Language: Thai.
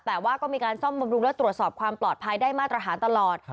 แต่ว่าก็มีการซ่อมบำรุงและตรวจสอบความปลอดภัยได้มาตรฐานตลอด